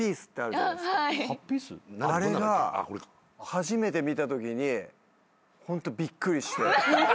初めて見たときにホントびっくりして。